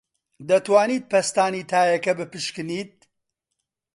دەتوانیت پەستانی تایەکە بپشکنیت؟